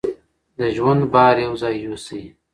د ژوند بار یو ځای یوسئ.